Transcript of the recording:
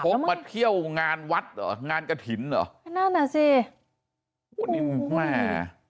นี่มันพกมาเที่ยวงานวัดเหรองานกระถินเหรอนั่นอ่ะสิโอ้โหนี่มันมา